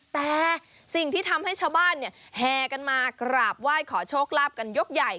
แต่สิ่งที่ทำให้ชาวบ้านเนี่ยแห่กันมากราบไหว้ขอโชคลาภกันยกใหญ่